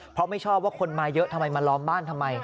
เพราะไม่ชอบว่าคนมาเยอะทำไมมาล้อมบ้านทำไม